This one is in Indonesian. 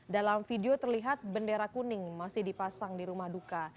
dalam video terlihat bendera kuning masih dipasang di rumah duka